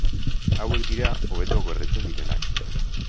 Hauek dira hobeto gordetzen direnak.